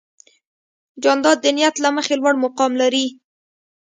جانداد د نیت له مخې لوړ مقام لري.